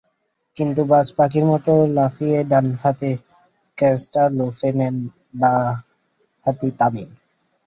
কিন্তু বাজপাখির মতো লাফিয়ে ডান হাতে ক্যাচটা লুফে নেন বাঁ হাতি তামিম।